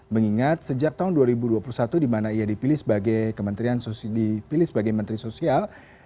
mengingat sejak tahun dua ribu dua puluh satu di mana ia dipilih sebagai kementerian dipilih sebagai menteri sosial